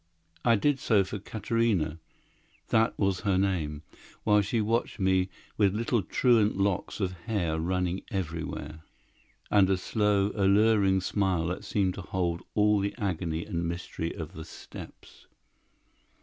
I did so for Katarina—that was her name—while she watched me with little truant locks of hair running everywhere, and a slow, alluring smile that seemed to hold all the agony and mystery of the steppes.